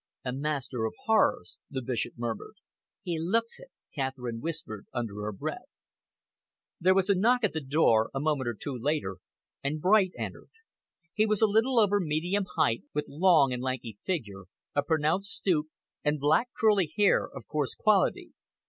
"A master of horrors," the Bishop murmured. "He looks it," Catherine whispered under her breath. There was a knock at the door, a moment or two later, and Bright entered. He was a little over medium height, with long and lanky figure, a pronounced stoop, and black, curly hair of coarse quality.